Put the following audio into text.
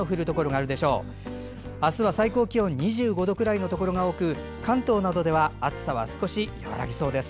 あすは最高気温２５度ぐらいのところが多く関東などでは暑さは少し和らぎそうです。